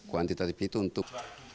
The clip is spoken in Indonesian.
kuantitatif itu untuk